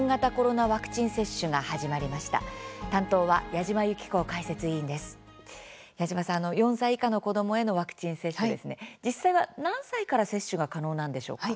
矢島さん、４歳以下の子どもへのワクチン接種、実際は何歳から接種が可能なんでしょうか。